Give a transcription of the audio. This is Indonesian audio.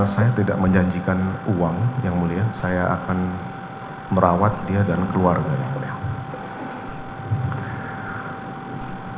saya tidak menjanjikan uang yang mulia saya akan merawat dia dan keluarga yang mulia